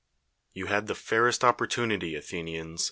You had the fairest opportunity, Athenians